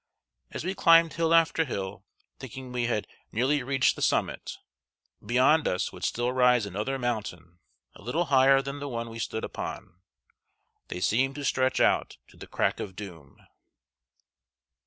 As we climbed hill after hill, thinking we had nearly reached the summit, beyond us would still rise another mountain a little higher than the one we stood upon. They seemed to stretch out to the crack of doom.